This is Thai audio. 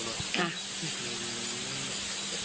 ค่ะ